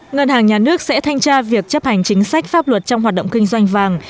ngân hàng nhà nước sẽ thanh tra việc chấp hành chính sách pháp luật trong hoạt động kinh doanh vàng